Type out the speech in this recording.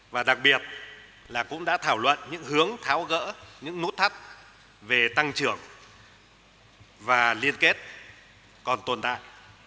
và đặc biệt là cũng đã thảo luận những hướng tháo gỡ những nút thắt về tăng trưởng và liên kết còn tồn tại